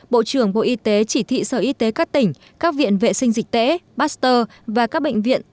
bộ trưởng bộ y tế chỉ thị sở y tế các tỉnh các viện vệ sinh dịch tễ baster và các bệnh viện